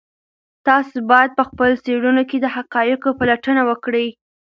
تاسو باید په خپلو څېړنو کې د حقایقو پلټنه وکړئ.